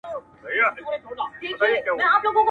هندو له يخه مړ سو چرگه ئې ژوندۍ پاته سوه.